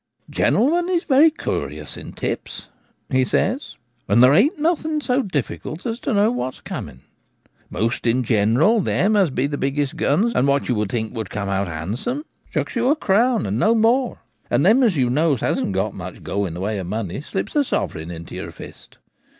' Gentlemen is very curious in tips,' he says, c and there ain't nothing so difficult as to know what's com ing. Most in general them as be the biggest guns, and what you would think would come out handsome, chucks you a crown and no more ; and them as you knows ain't much go in the way of money slips a sove reign into your fist.